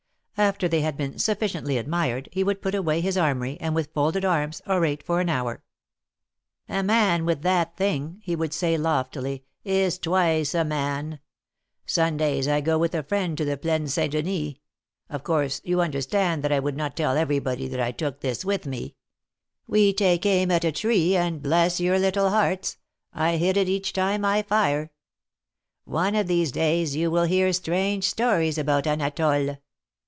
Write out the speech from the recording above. After they had been sufficiently admired, he would put away his armory, and with folded arms orate for an hour. man with that thing," he would say, loftily, " is twice a man. Sundays I go with a friend to the Plaine Saint Denis — of course, you understand that I would not tell everybody that I took this with me. We take aim at a tree, and, bless your little hearts! I hit it each time I fire. One of these days you will hear strange stories about Anatole."